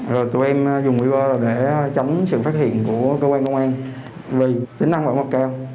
rồi tụi em dùng quý vơ để chống sự phát hiện của cơ quan công an vì tính năng vẫn mọc cao